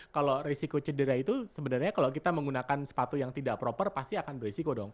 kalau risiko cedera itu sebenarnya kalau kita menggunakan sepatu yang tidak proper pasti akan berisiko dong